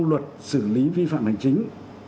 luật xử lý vi phạm hành chính